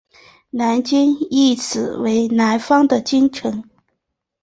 南京意思为南方的京城。